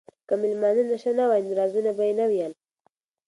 که مېلمانه نشه نه وای نو رازونه به یې نه ویل.